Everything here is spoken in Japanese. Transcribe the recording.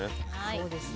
そうですね。